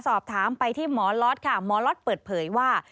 สอบถามไปที่หมอล็อตค่ะหมอล็อตเปิดเผยว่า